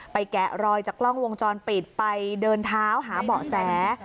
แกะรอยจากกล้องวงจรปิดไปเดินเท้าหาเบาะแส